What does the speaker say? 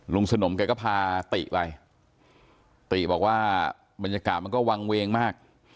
สนมแกก็พาติไปติบอกว่าบรรยากาศมันก็วางเวงมาก